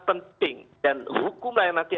penting dan hukumlah yang nanti